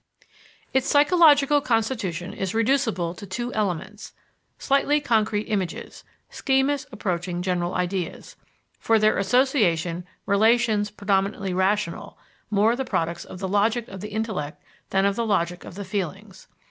" Its psychological constitution is reducible to two elements: slightly concrete images, schemas approaching general ideas; for their association, relations predominantly rational, more the products of the logic of the intellect than of the logic of the feelings.